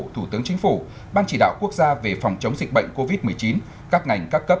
thủ tướng chính phủ ban chỉ đạo quốc gia về phòng chống dịch bệnh covid một mươi chín các ngành các cấp